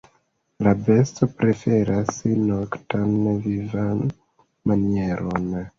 La besto preferas noktan vivmanieron.